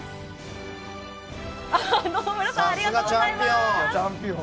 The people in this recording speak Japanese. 野々村さんありがとうございます。